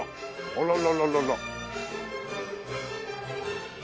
あららららら。